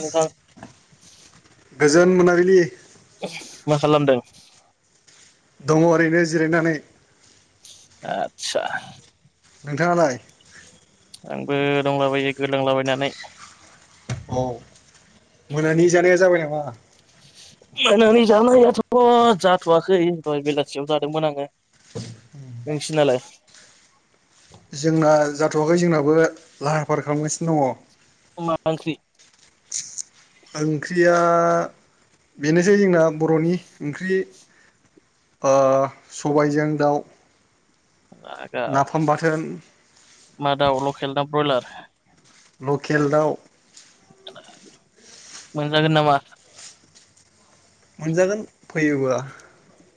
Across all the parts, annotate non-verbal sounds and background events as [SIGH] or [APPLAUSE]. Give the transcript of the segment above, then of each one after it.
नोंथां गोजोन मोनाबिलि मा खालामदों दङ ओरैनो जिरायनानै आतसा नोंथांआलाय आंबो दंलाबायो गोलांलाबायनानै औ मोनानि जानाया जाबाय नामा? मोनानि जानायाथ' जाथ'वाखै दहाय बेलासियाव जादोंमोन आङो नोंसिनालाय जोंना जाथ'वाखै जोंनाबो लाहार फाहार खालामगासिनो दङ मा ओंख्रि ओंख्रिया बेनोसै जोंना बर'नि ओंख्रि ओ सबायजों दाउ मा दाउ नाफाम बाथोन मा दाउ लकेल ना ब्रयलार? लकेल दाउ मोनजागोन नामा मोनजागोन फैयोबा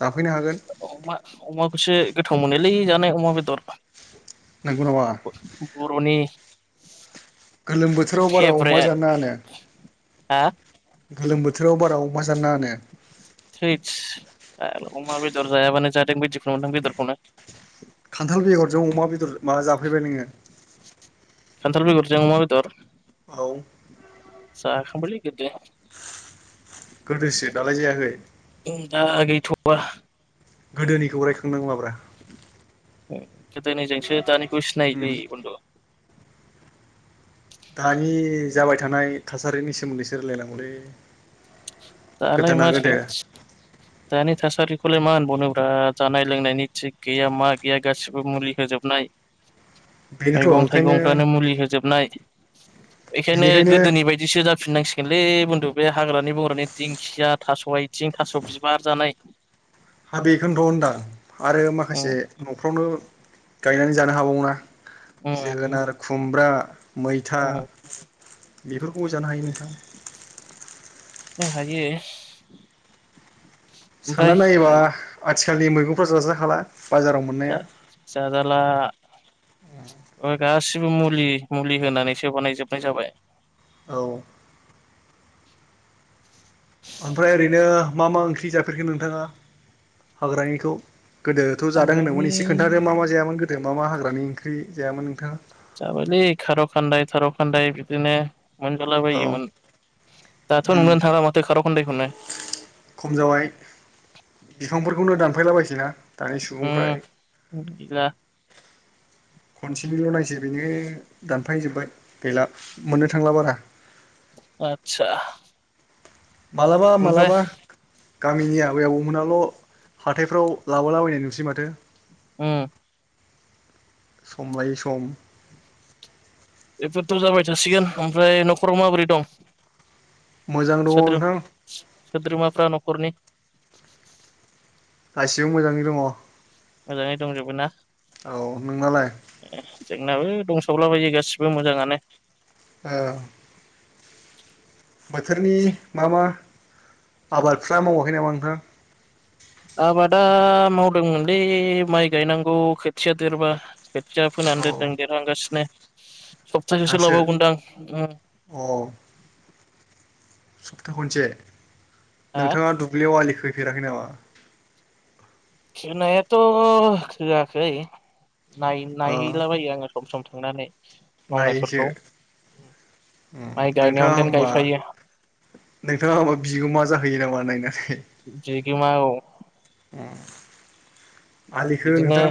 जाफैनो हागोन अमा अमाखौसो गोथाव मोनोलै जानो अमा बेदर नंगौ नामा बर'नि गोलोम बोथोराव बारा अमा फेभरेट जानाङानो हा गोलोम बोथोराव बारा अमा जानो नांङानो थैथस फाग्ला अमा बेदर जायाबानो जादों बादिखौनो मोना बेदरखौनो खान्थाल बेगरजों अमा बेदर माबा जाफैबाय नोङो खानथाल बेगरजों अमा बेदर औ जाखांबायलै गोदो गोदोसो दालाय जायाखै थ'वा गोदोनिखौ रायखांनांलाब्रा गोदोनिजोंसो दानिखौ सिनायोलै बुन्दु दानि जाबाय थानाय थासारिनि सोमोन्दैसो रायलायनांगौलै दालाय गोदोना माथो गोदो दानि थासारि बेखौलाय मा होनबावनोब्रा जानाय लोंनायनि थिग गैया मा गैया गासिबो मुलि होजोबनाय बेनोथ' मैगं - ओंखायनो थाइगंफ्रानो मुलि होजोबनाय बेखायनो बिनिखायनो गोदोनि बायदिसो जाफिननांसिगोनलै बुन्दु बे हाग्रानि बंग्रानि दिंखिया थास' आइथिं, थास' बिबार जानाय हाबेखौनथ' होनदां आरो उम माखासे न'फ्रावनो गायनानै जानो हाबावना उम जोगोनार, खुमब्रा मैथा उम बेफोरखौबो जानो हायो नोंथां हायो सानना ओमफ्राय नायोबा आथिखालनि मैगंफ्रा जाजाखाला स जाजाला गासिबो मुलि- मुलि होनानैसो बानायजोबनाय जाबाय औ ओमफ्राय ओरैनो मा - मा ओंख्रि जाफेरगो नोंथाङा हाग्रानिखौ गोदोथ' जादों आगोलनि होनदोंमोन एसे खोन्थादो मा मा जायामोन गोदो मा मा हाग्रानि ओंख्रि जायामोन नोंथाङा जाबायलै खार' खान्दाय, खार' खान्दाय बिदिनो मोनजाला औ बायोमोन दाथ' उम नुनानै थाङाला माथो खार खन्दाइखौनो खम जाबाय बिफांफोरखौनो दानफायलाबायसै ना दानि सुबुंफ्रा उम [UNINTELLIGIBLE] खनसेनिल' नायसै बेनो दानफाजोबबाय गैला मोननो थांला बारा आतसा मालाबा मालाबा गामिनि आबायाव मोनाल' हाथायफ्राव लाबोलाबायनाय नुसै माथो ओम सम लायो सम बेफोरथ' जाबाय थासिगोन ओमफ्राय न'खराव माबोरै दं मोजां दङ सोद्रो नोंथां सोद्रोमाफ्रा न'खरनि गासिबो मोजाङै दङ मोजाङै दंजोबो ना औ नोंनालाय जोंनाबो दंसावलाबायो गासिबो मोजाङानो औ [UNINTELLIGIBLE] बोथोरनि मा मा आबादफ्रा मावाखै नामा नोंथाङां आबादा मावदोंमोनलै माइ गायनांगौ खोथिया देरबा खोथिया फोनानै औ दोनदों देरहांगासिनो सप्तासेसो दासो लाबावगोनदां अ सप्ता खनसे हा नोंथाङा दुब्लियाव आलि खोहैफेराखै नामा खोनायाथ' खोआखै नायहैलाबायो आङो सम - सम थांनानै नायैसो मावनायफोरखौ माइ गायनायावनो नोंथाङा देन होमबा गायफायो नोंथाङा माबा बिगोमा जाहैयो नामा नायनानै बिमा औ आलिखौ बिदिनो नोंथां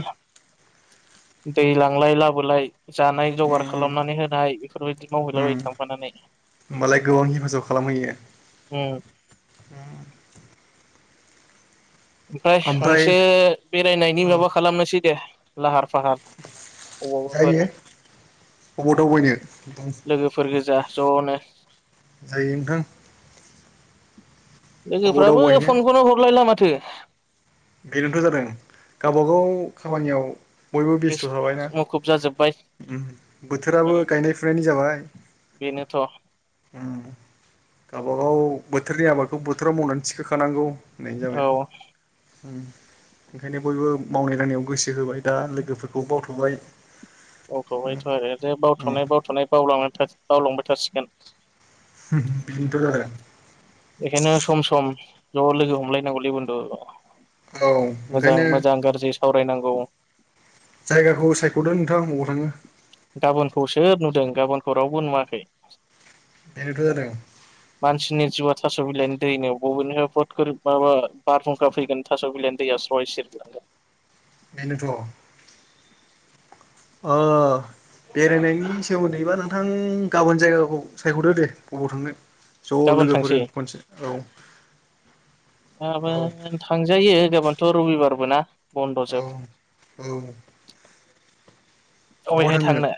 दै लांलाय लाबोलाय। जानाय जगार उम खालामनानै होनाय बेफोरबायदि उम मावहैलाबायायो थांफानानै । होमबालाय गोबां हेफाजाब खालामहैयो। ओमफ्राय मोनसे बेरायनायनि ओ माबा खालामनोसै दे लाहार फाहार बबावबाफोर। जायो अबाव दावबायनो लोगोफोर गोजा ज'नो। जायो नोंथां। अबाव लोगोफ्राबो दावबायहैनो फनखौनो हरलायला माथो। बेनोनोथ' जादों गावबागाव खामानियाव बयबो बेस बेस्थ' थाबायना। मुखुब जाजोब्बाय बोथोराबो उम गायनाय फुनायनि जाबाय बेनोथ' ओम गावबागाव बोथोरनि आबादखौ बोथोराव मावनानै थिखोखानांगौ होननायानो औ जाबायना। ओम ओंखायनो बयबो मावनाय दांनायाव गोसो होबाय दा लोगोफोरखौ बावथ'बाय। बथ'बायथ' आरो दे बावथ'नाय बावथ'नाय बावलां बावलांबाय थासिगोन। बिन्थ जादों। बेखायनो सम सम ज' लोगो हमलायनांगौलै बथु। औ ओंखायनो सावरायनांगौ जायगाखौ सायख'दों नोंथाङा बबाव थाङो। गाबोनखौसो नुदों गाबोनखौ रावबो नुवाखै । बेनोथ' जादों मानसिनि जिउआ थास' बिलाइनि दैनो बबेनि माबा बारहुंखा फैगोन थास' बिलायनि दैया स्रय सेरलांगोन। बेनोथ'। ओ बेरायनायनि सोमोन्दैबा नोंथां गाबोन जायगाखौ सायख'दो दे बबाव थांनो। ज' गाबोन लोगोफोर खनसे औ। माबा औ थांजायो गाबोनथ' रबिबारबो ना। बन्द' जोब औ औ। अबेहाय थांनो?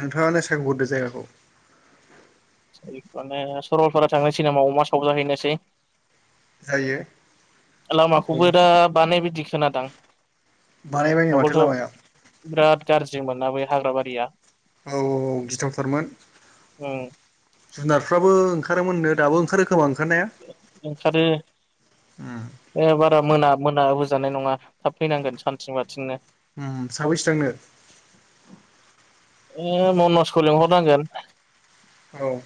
नोंथाङाानो सोंहरदो जायगाखौ। माने सरलपारा थांनो सिनेमा अमा सावजाहैनोसै। जायो। लामाखौबो दा बानायबायदि खोनादां। बारायबायनो माथो लामाया। गाज्रिमोना बै हाग्राबारिया। औ औ औ गिथावथारमोन उम जुनारफ्राबो ओंखार ओ मोन ओंखारो। खोमा ओंखारनाया ओंखारो उम ए बारा मोना मोना होजानाय नङा थाब फैनांगोन सानसेनि बाथिंनो। उ साबैसे थांनो? ए मनजखौ लिंहरनांगोन औ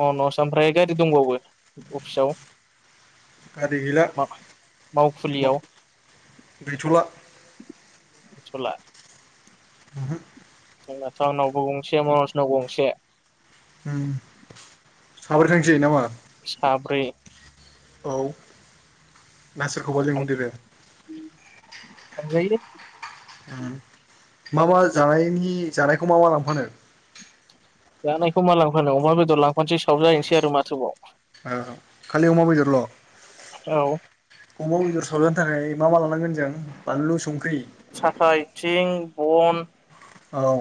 मनज ओमफ्राय गारि दंबावो अफिसाव? गारि गैला मावखुलियाव गैथ'ला। सला। ओमहो। जबाथ' आनावबो गंसे मनजनाव गंसे। साब्रै थांसै नामा? साब्रै। औ ना सोरखौबा लिंहरदेरो? थांजायो। ओम मा मा जानायनि जानायखौ मा मा लांफानो। जानायखौ मा लांफानो अमा बेदर लांफानोसै सावजाहैनोसै आरो माथोबाव औ खालि अमा बेदरल' औ अमा बेदर सावजनो थाखाय मा मा लानांगोन जों बानलु संख्रि साथा आइथिं बन औ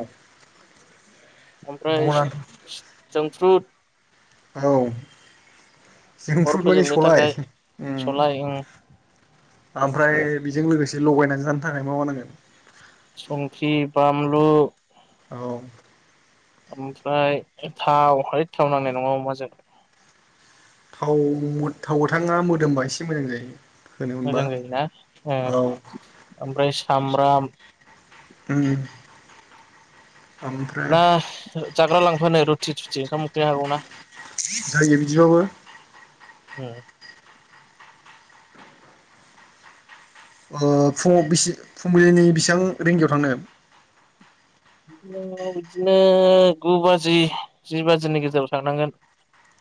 ओमफ्राय बना जांफ्र्रुट औ अर जोंफ्रुद माने फोजोंनो सलाय थाखाय सलाय ओमफ्राय बेजों लोगोसे लगायनानै जानो थाखाय मा मा नांगोन संख्रि बामलु औ ओमफ्राय थाव हैथ थाव नांनाय नङा अमाजों थाव थाव गोथांआ मोदोमबा एसे मोजां जायो होनो मोनबा मोजां जायोना ओ औ ओमफ्राय सामब्राम उम ओमफ्राय ना जाग्रा लांफानो रुथि थुथि ओंखाम उखैनो हागौ ना जायो बिदिबाबो होम ओ फुं फुंबिलिनि बेसेबां रिंगायाव थांनो बिदिनो गु बाजि जि बाजिनि गेजेराव थांनांगोन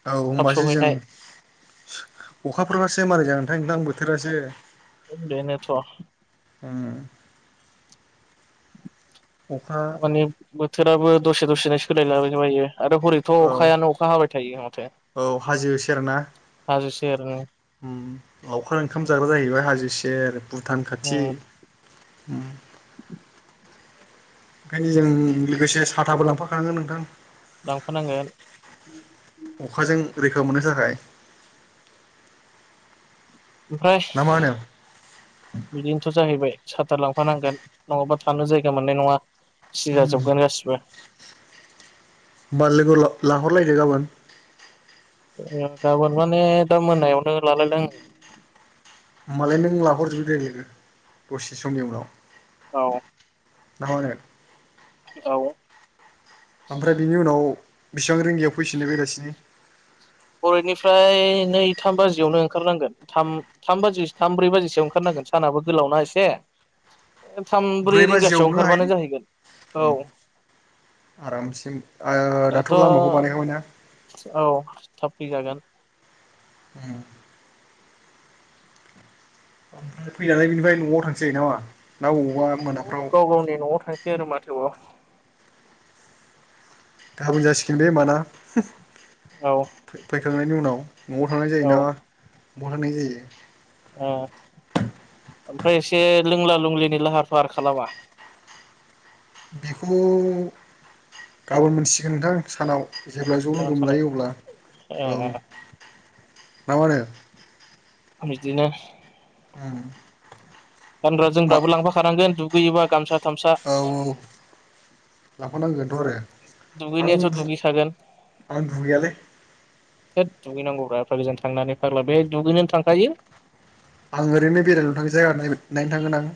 औ थाब होनोमबासो जों सहैनाय अखाफोरबासो मारै जागोन नोंथां नोंथां बोथोरासो बेनोथ उम अखा माने बोथोराबो दसे दसेनो सोलायलाबायनो बायो आरो हरैथ' औ अखायानो अखा हाबाय थायो मथे औ हाजो सेर ना सेरनो ओम लावखार ओंखाम जाग्रा जाहैबाय हाजो सेेर भुटान उम खाथि उम गारि जों लोगोसे साथाबो लांफाखांगोन नोंथां लांफानांगोन अखाजों रैखा मोननो थाखाय ओमफ्राय ना मा होनो बिदिनोथ' जाहैबाय साथार लांफानांगोन नङाबा थानो जायगा मोननाय नङा सि उम जाजोबगोन गासिबो होमबाल लोगो लाहरलायदो गाबोन गाबोन माने दा मोनायावनो लालायनांगोन होमबालाय नों लाहरजोबो दे लोगो दसे समनि उनाव औ ना मा होनो औ ओमफ्राय बिनि उनाव बेसिबां रिंगियाव फैफिनो बेलासिनि बेनिफ्राय नै थाम बिजियाव नो ओंखार नांगोन थाम थ्रै बाजिखारनांगोन सानाबो बे गोलावना एसे थाम ब्रै रिंगासोयाव बाजियावनो ओंखारबानो हायोलै जाहैगोन औ उम आरामसे ओ दाथ' लामाखौ बानायखाबाय ना औ थाब फै जागोन उम ओमफ्राय फैनानैय बेनिफ्राय न'आव थांसै ना मा औ गाव गावनि न'आव थांसै आरो माथोबाव गाबोन जासिगोन बे होमबा ना होम औ फै फैखांनायनि उनाव न'आव थांनाय जायोना ब'वा थांनाय जायो ओ ओमफ्राय एसे लोंला लोंलिनि लाहार फाहार खालामा बेखौ गाबोन मोनथिगोन नोंथां सानाव जेब्ला ज' गाबोन लोगो सानाव मोनलायो अब्ला ओ औ ना [INAUDIBLE] बिदिनो। ओम गानग्रा जोमबाबो लांफाखानांगोन दुगैयोबा गामसा थामसा औ औ लांफानांगोनथ' आरो आं दुगैनायाथ' दु दुगैखागोन आं दुगैयालै थोत दुगैनांगौब्रा एफा गोजान थांनानै फाग्ला बे दुगैनोनो थांखायो। आं ओरैनो बेरायल थाङो जायगा नायनो नायनो थांगोन आं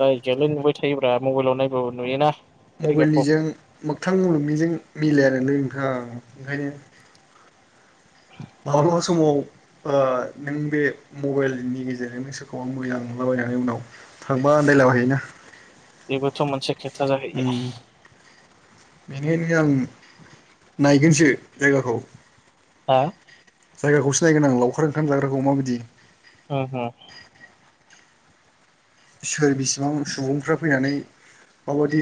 जायगायालाय नुबाय थायोब मबाइलाव नायबाबो नुयोना जायगाखौ मबाइलनिजों मोगथां मुलुगनिजों मिलाया नोलै नोंथां ओंखायनो [INAUDIBLE] ओ नों बे मबाइलनि गेजेरजों नों सोरखौबा मोजां नुलाबायनायनि उनाव थांबा आन्दायला बायहोयै ना बेबोथ' मोनसे खोथा जाहैयो [UNINTELLIGIBLE] नायगोनसो जायगाखौ? हा जायगाखौसो नायगोन आं लावखार ओंखाम जाग्राखौ माबायदि उम सोर बिसेबां सुबुंफ्रा फैनानै माबायदि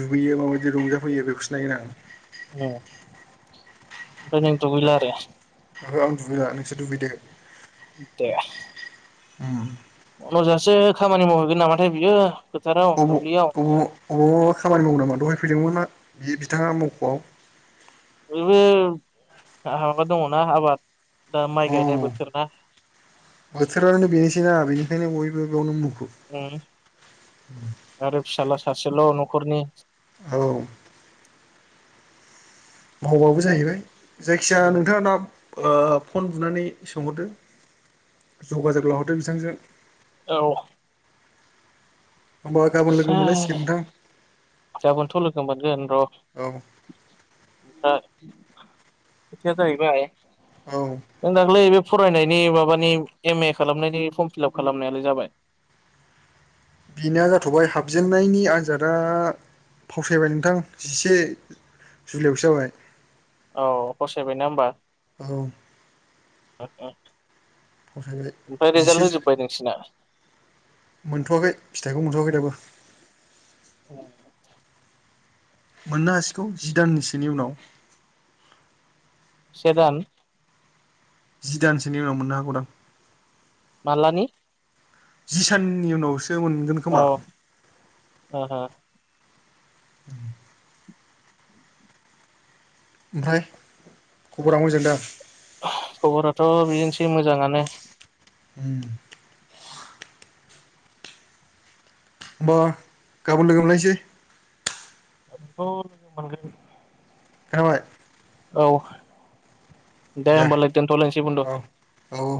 दुगैयो माबायदि रंजाफैयो बेखौसो नायगोन आं ओम फ्राय' नों दुगैला आरो ओहो आं दुगैला नोंसोर दुगैदो दे ओम जजासे खामानि मावहैगोन नामाथाय बियो? फोथाराव अ दुब्लियाव अ अ खामानि मावनो नामा दहायनो फैदोंमोन बि बिथाङा मावख'आव उहो हानाबा दङ ना आबाद दा अ माइ गायनाय बोथोर ना बोथोरानो बेनोसै ना बेनिखायनो बयबो बेयावनो मुखु उ उम आरो फिसाला सासेल' न'खरनि औ मावबाबो जाहैबाय जायखिया उम नोंथाङा दा ओ फन बुनानै सोंहरदो जगाजोब लाहरदो बिथांजों औ होमबा गाबोन लोगो मोनलायसिगोन नोंथां गाबोनथ' लोगो मोनगोन र' ओ औ खोथाया जाहैबाय औ जों दाख्लै फरायनायनि माबानि एम ए खालामनायनि फर्म फिलाप खालामनायालाय जाबाय? बेना जाथ'बाय हाबजेननायनि आन्जादा फावसायबाय नोंथां जिसे जुलाइआवसो जाबाय औ फसायबायना होमबा? औ। [UNINTELLIGIBLE] फावसायबाय रिजाल्ट जिसे जो होजोब्बाय नोंसिना मोनथ'वाखै फिथाइखौ मोनथ'वाखै दाबो। औ। मोननो हासिगौ जि दानसोनि उनाव से दान? जि दानसोनि उनाव मोननो हागौ दां माला नि? जि साननि उनावसो मोनगोन औ खोमा [INAUDIBLE] ओमफ्राय खबरा मोजां दा? खबराथ' बिदिनोसै [INAUDIBLE] हम होमबा गाबोन लोगो मोनलायनोसै अ मोनगोन [UNINTELLIGIBLE] औ दे होनबालाय दोनथ'लायसै बन्दु औ औ औ